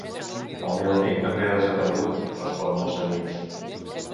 El meu amic també ha desaparegut —respon molt seriós—.